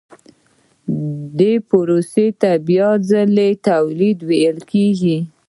دې پروسې ته بیا ځلي تولید ویل کېږي